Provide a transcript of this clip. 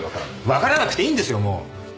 分からなくていいんですよもう！